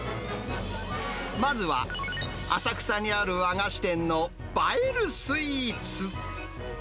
まずは浅草にある和菓子店の映えるスイーツ。